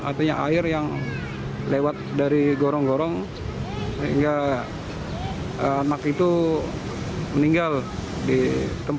artinya air yang lewat dari gorong gorong sehingga anak itu meninggal di tempat